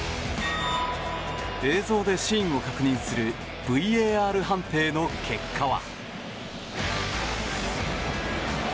映像でシーンを確認するＶＡＲ判定の結果は。